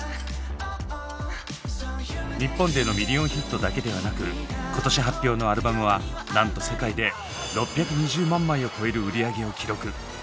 日本でのミリオンヒットだけではなく今年発表のアルバムはなんと世界で６２０万枚を超える売り上げを記録。